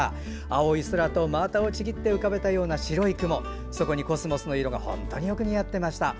青い空と真綿をちぎって浮かべたような白い雲にコスモスの色がよく似合っていましたよ。